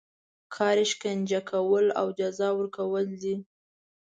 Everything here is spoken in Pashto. کار یې شکنجه کول او جزا ورکول دي.